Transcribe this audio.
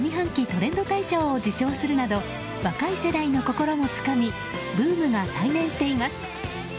トレンド大賞を受賞するなど若い世代の心もつかみブームが再燃しています。